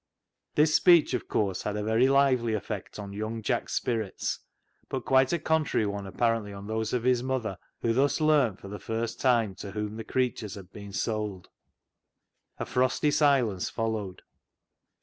This speech, of course, had a very lively effect on young Jack's spirits, but quite a con trary one apparently on those of his mother, 230 CLOG SHOP CHRONICLES who thus learnt for the first time to whom the creatures had been sold. A frosty silence followed.